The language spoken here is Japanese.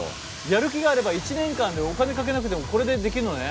やる気があれば１年間でお金かけなくてもこれでできるのね？